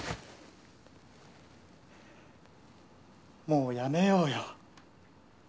もう止めようよ。